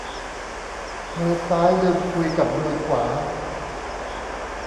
มือซ้ายลืมคุยกับมือขวา